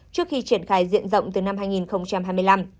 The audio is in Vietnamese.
trước khi triển khai diện rộng từ năm hai nghìn hai mươi năm